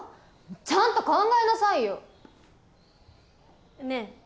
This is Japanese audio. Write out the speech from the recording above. ちゃんと考えなさいよ！ねぇ